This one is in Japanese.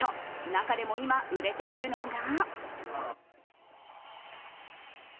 中でも今、売れているのが。